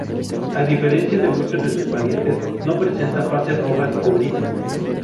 A diferencia de muchos de sus parientes, no presenta fases rojas o grises.